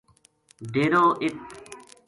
ڈیرو اِ